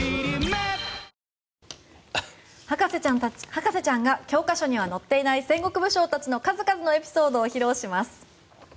博士ちゃんが教科書には載っていない戦国武将たちの数々のエピソードを披露します。